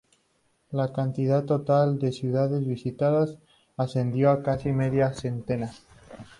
La cantidad total de ciudades visitadas ascendió a casi media centena.